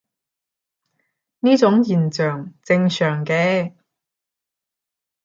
呢種現象正常嘅